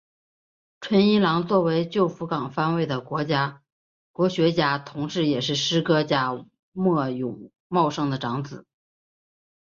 纯一郎作为旧福冈藩士的国学家同是也是诗歌家末永茂世的长子。